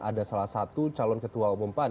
ada salah satu calon ketua umum pan